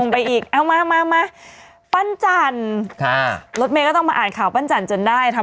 ที่นี่ก็ไม่ใช่